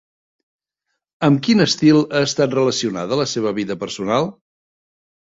Amb quin estil ha estat relacionada la seva vida personal?